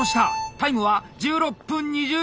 タイムは１６分２０秒。